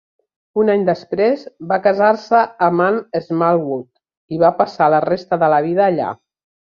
Un any després, va casar-se amb Anne Smallwood i van passar la resta de la vida allà.